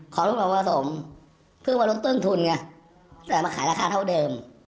ลูกเราผสมเพื่อมาลดต้นทุนไงแต่มาขายราคาเท่าเดิม